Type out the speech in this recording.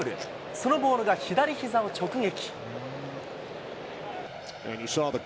そのボールが左ひざを直撃。